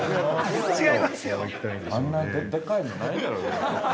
◆あんなでかいのないやろ。